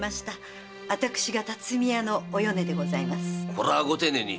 これはご丁寧に。